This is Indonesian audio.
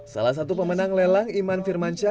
salah satu pemenang lelang iman firmansyah